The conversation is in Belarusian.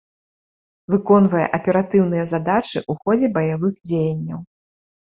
Выконвае аператыўныя задачы ў ходзе баявых дзеянняў.